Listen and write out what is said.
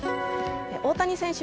大谷選手